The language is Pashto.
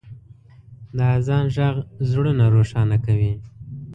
د اذان ږغ زړونه روښانه کوي.